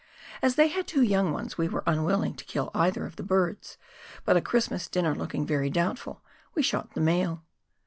As they had two young ones we were unwilling to kill either of the birds, but a Christmas dinner looking very doubtful we shot the male.